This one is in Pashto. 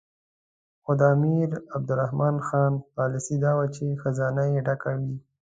خو د امیر عبدالرحمن خان پالیسي دا وه چې خزانه یې ډکه وي.